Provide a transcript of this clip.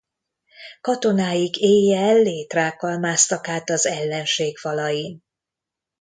Katonáik éjjel létrákkal másztak át az ellenség falain.